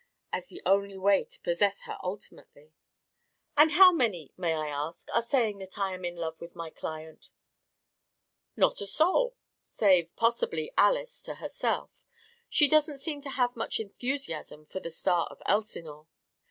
"As the only way to possess her ultimately." "And how many, may I ask, are saying that I am in love with my client?" "Not a soul save, possibly, Alys to herself. She doesn't seem to have much enthusiasm for the Star of Elsinore.